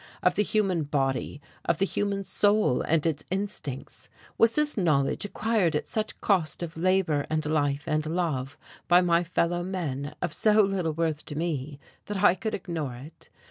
of the human body, of the human soul and its instincts? Was this knowledge acquired at such cost of labour and life and love by my fellow men of so little worth to me that I could ignore it?